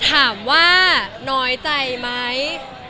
ถามว่าน้อยใจไหม